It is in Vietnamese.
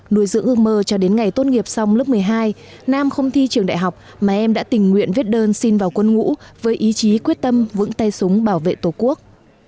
nuôi giữ ước mơ cho đến ngày tốt nghiệp xong lớp một mươi hai nam không thi trường đại học mà em đã tình nguyện viết đơn xin vào quân ngũ với ý chí quyết tâm vững tay súng bảo vệ tổ quốc